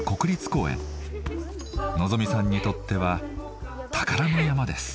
のぞ実さんにとっては宝の山です。